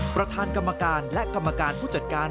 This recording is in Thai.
ประธานกรรมการและกรรมการผู้จัดการ